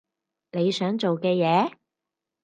你想做嘅嘢？